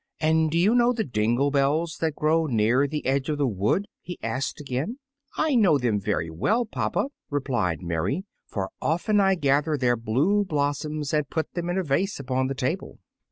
"And do you know the dingle bells that grow near the edge of the wood?" he asked again. "I know them well, papa," replied Mary, "for often I gather their blue blossoms and put them in a vase upon the table."